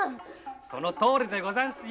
そのとおりでござんすよ。